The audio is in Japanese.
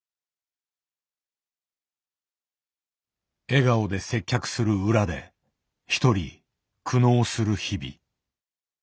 笑顔で接客する裏で独り苦悩する日々。